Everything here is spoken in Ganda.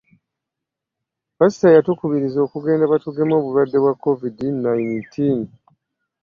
Pasita yatukubiriza okugenda batugeme obulwadde bwa covid nineteen.